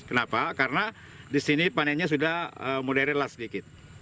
kenapa karena di sini panennya sudah modern lah sedikit